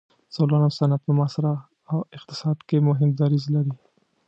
څلورم صنعت په معاصر اقتصاد کې مهم دریځ لري.